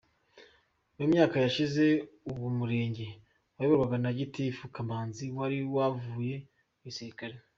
Mu myaka yashize uwo Murenge wayoborwaga na Gitifu Kamanzi wari waravuye mu gisirikare.